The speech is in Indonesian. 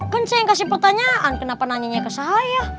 kan saya yang kasih pertanyaan kenapa nanya ke saya